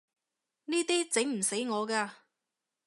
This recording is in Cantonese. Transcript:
呢啲整唔死我㗎